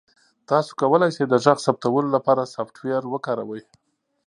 تاسو کولی شئ د غږ ثبتولو لپاره سافټویر وکاروئ.